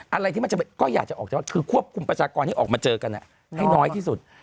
อะไรที่มันจะไม่คือควบคุมประชากรที่ออกมาเจอกันนะให้น้อยที่สุด